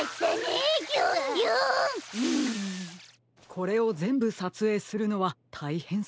これをぜんぶさつえいするのはたいへんそうですね。